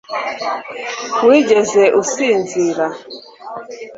wigeze usinzira